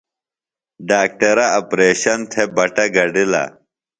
ڈاکٹرہ اپریشن تھےۡ بٹہ گڈِلہ۔